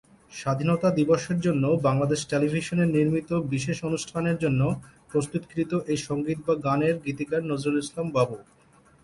স্বাধীনতা দিবসের জন্য বাংলাদেশ টেলিভিশনের নির্মিত বিশেষ অনুষ্ঠানের জন্য প্রস্তুতকৃত এই সঙ্গীত বা গানের গীতিকার নজরুল ইসলাম বাবু।